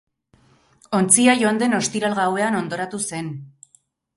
Ontzia joan den ostiral gauean hondoratu zen.